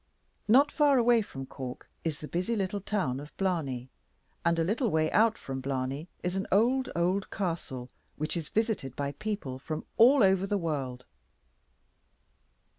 Not far away from Cork is the busy little town of Blarney. And a little way out from Blarney is an old, old castle which is visited by people from all over the world.